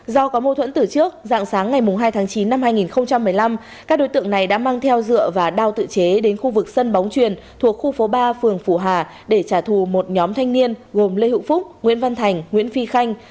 do có mâu thuẫn tử trước dạng sáng ngày hai tháng chín năm hai nghìn một mươi năm các đối tượng này đã mang theo dựa và đao tự chế đến khu vực sân bóng truyền thuộc khu phố ba phường phủ hà để trả thù một nhóm thanh niên gồm lê hữu phúc nguyễn văn thành nguyễn phi khanh